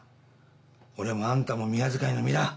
俺もあんたも宮仕えの身だ！